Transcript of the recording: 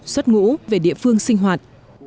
xuất ngũ về địa phương sinh hoạt